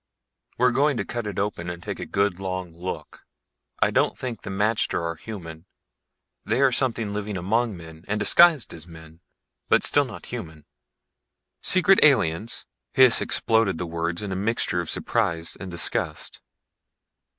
"We're going to cut it open and take a good long look. I don't think the magter are human. They are something living among men and disguised as men but still not human." "Secret aliens?" Hys exploded the words in a mixture of surprise and disgust.